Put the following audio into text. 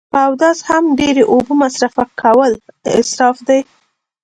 په اودس هم ډیری اوبه مصرف کول اصراف دی